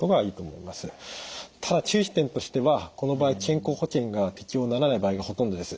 ただ注意点としてはこの場合健康保険が適用にならない場合がほとんどです。